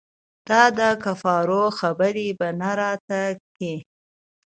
دا دکفارو خبرې به نه راته کيې.